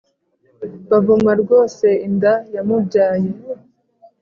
bavuma rwose inda yamubyaye.